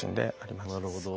なるほど。